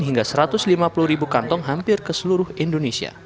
hingga satu ratus lima puluh ribu kantong hampir ke seluruh indonesia